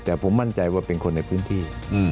แต่ผมมั่นใจว่าเป็นคนในพื้นที่